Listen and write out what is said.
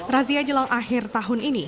razia jelang akhir tahun ini